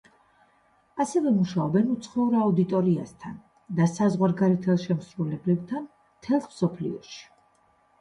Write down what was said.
ასევე მუშაობენ უცხოურ აუდიტორიასთან და საზღვარგარეთელ შემსრულებლებთან მთელს მსოფლიოში.